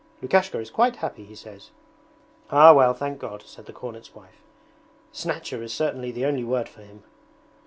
Lukashka is quite happy, he says.' 'Ah well, thank God,' said the cornet's wife.' "Snatcher" is certainly the only word for him.'